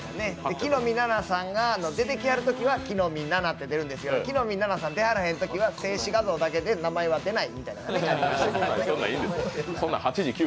木の実ナナさんが出てきはるときは「木の実ナナ」と出るんですけど、木の実ナナさん出はらへんときは静止画像だけで名前は出ない。